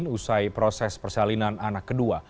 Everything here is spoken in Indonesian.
usai proses persalinan anak kedua